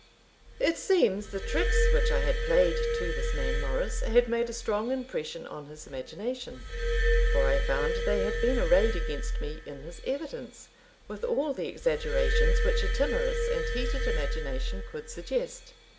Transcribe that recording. It seems the tricks which I had played to this man Morris had made a strong impression on his imagination; for I found they had been arrayed against me in his evidence, with all the exaggerations which a timorous and heated imagination could suggest.